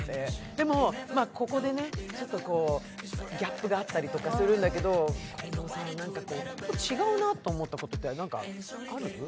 でも、ここでちょっとギャップがあったりとかするんだけど、近藤さんは何か違うなって思ったことある？